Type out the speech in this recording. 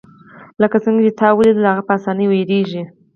لکه څنګه چې تا ولیدل هغه په اسانۍ ویریږي